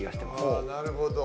ああなるほど。